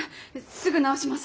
すぐ直します。